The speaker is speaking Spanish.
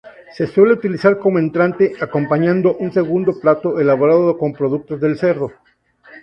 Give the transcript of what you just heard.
Se suele utilizar como entrante, acompañando un segundo plato elaborado con productos del cerdo.